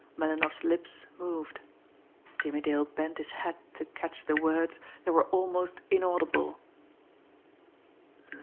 Melinoff's lips moved. Jimmie Dale bent his head to Catch the words that were almost inaudible.